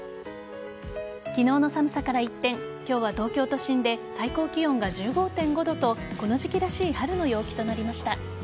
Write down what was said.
昨日の寒さから一転今日は東京都心で最高気温が１５．５度とこの時期らしい春の陽気となりました。